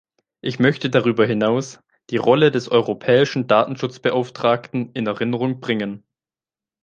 Ich möchte darüber hinaus die Rolle des europäischen Datenschutzbeauftragten in Erinnerung bringen.